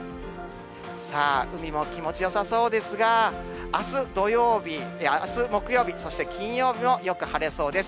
さあ、海も気持ちよさそうですが、あす木曜日、そして金曜日もよく晴れそうです。